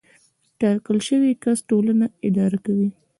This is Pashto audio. ټاکل شوی کس ټولنه اداره کوي.